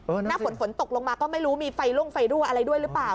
หน้าฝนฝนตกลงมาก็ไม่รู้มีไฟล่งไฟรั่วอะไรด้วยหรือเปล่า